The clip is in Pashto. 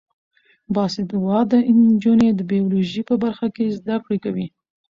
باسواده نجونې د بیولوژي په برخه کې زده کړې کوي.